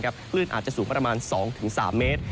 คลื่นอาจจะสูงประมาณ๒๓เมตร